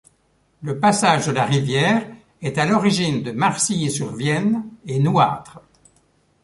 Le passage de la rivière est à l'origine de Marcilly-sur-Vienne et Nouâtre.